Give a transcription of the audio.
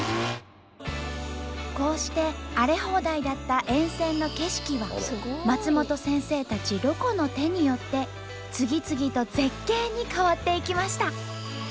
こうして荒れ放題だった沿線の景色は松本先生たちロコの手によって次々と絶景に変わっていきました。